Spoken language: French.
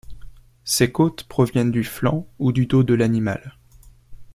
Ces côtes proviennent du flanc ou du dos de l'animal.